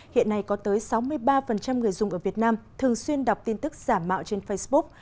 hiện nay có tới sáu mươi ba người dùng ở việt nam thường xuyên đọc tin tức giả mạo trên facebook